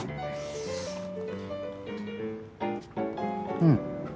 うん。